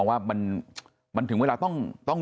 ว่ามันถึงเวลาต้อง